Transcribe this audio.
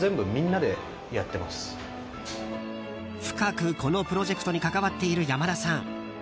深くこのプロジェクトに関わっている山田さん。